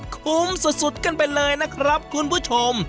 คุ้มสุดกันไปเลยนะครับคุณผู้ชม